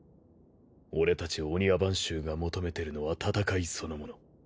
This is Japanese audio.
俺たち御庭番衆が求めてるのは戦いそのもの。